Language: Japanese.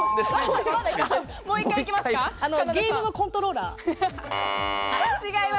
ゲームのコントローラー。